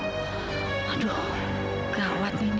aduh gawat ini